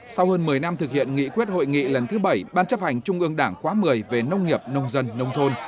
sau hơn một mươi năm thực hiện nghị quyết hội nghị lần thứ bảy ban chấp hành trung ương đảng khóa một mươi về nông nghiệp nông dân nông thôn